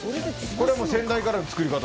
これはもう先代からの作り方？